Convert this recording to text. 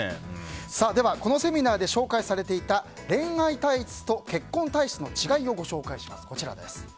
では、このセミナーで紹介されていた恋愛体質と結婚体質の違いをご紹介します。